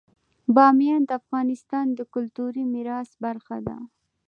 بامیان د افغانستان د کلتوري میراث برخه ده.